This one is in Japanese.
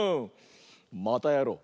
またやろう！